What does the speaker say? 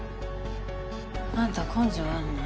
あんた根性あるな。